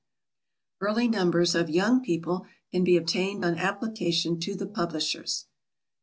Early numbers of YOUNG PEOPLE can be obtained on application to the publishers.